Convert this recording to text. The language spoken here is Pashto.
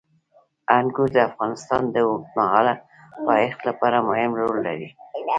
انګور د افغانستان د اوږدمهاله پایښت لپاره مهم رول لري.